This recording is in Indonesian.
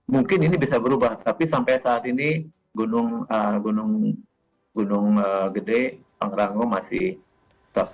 mungkin ini bisa berubah tapi sampai saat ini gunung gede pangrango masih tetap